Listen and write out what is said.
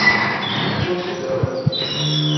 O corpo dela